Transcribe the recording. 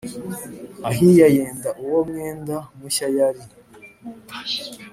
Ahiya yenda uwo mwenda mushya yari